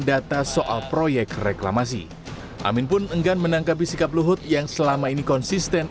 data soal proyek reklamasi amin pun enggan menangkapi sikap luhut yang selama ini konsisten